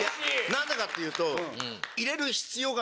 何でかっていうと。